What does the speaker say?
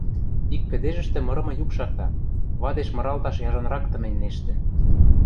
Ик кӹдежӹштӹ мырымы юк шакта: вадеш мыралташ яжонрак тыменьнештӹ.